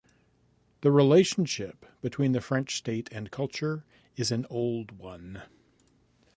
The relationship between the French state and culture is an old one.